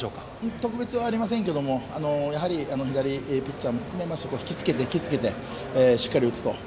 特別ありませんがやはり左ピッチャーも含めて引き付けて、引き付けてしっかり打つと。